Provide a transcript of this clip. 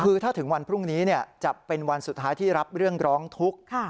คือถ้าถึงวันพรุ่งนี้จะเป็นวันสุดท้ายที่รับเรื่องร้องทุกข์